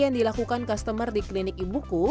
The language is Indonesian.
yang dilakukan customer di klinik ibuku